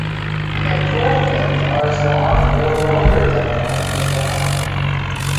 The pectoral fins are as long or longer than the length of the head.